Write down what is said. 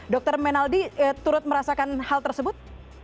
dr menaldi turut merasakan hal tersebut